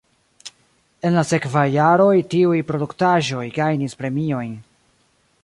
En la sekvaj jaroj tiuj produktaĵoj gajnis premiojn.